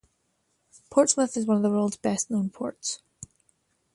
Portsmouth is one of the world's best known ports.